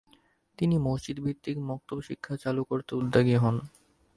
তিনি মসজিদভিত্তিক মক্তব শিক্ষা চালু করতে উদ্যোগী হন।